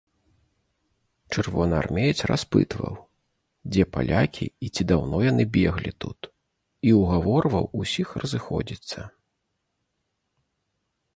Чырвонаармеец распытваў, дзе палякі і ці даўно яны беглі тут, і ўгаварваў усіх разыходзіцца.